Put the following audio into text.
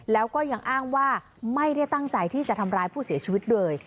แล้วก็ยังอ้างว่าไม่ได้ตั้งใจที่จะทำร้ายผู้เสียชีวิตเลย